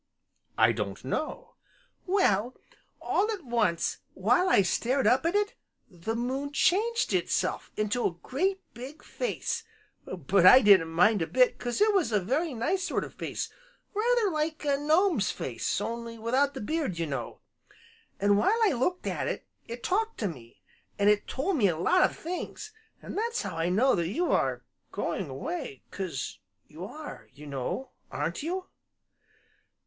"I don't know." "Well, all at once, while I stared up at it, the moon changed itself into a great, big face; but I didn't mind a bit, 'cause it was a very nice sort of face, rather like a gnome's face, only without the beard, you know. An' while I looked at it, it talked to me, an' it told me a lot of things, an' that's how I know that you are going away, 'cause you are, you know, aren't you?"